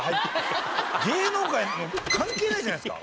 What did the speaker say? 芸能界に関係ないじゃないですか。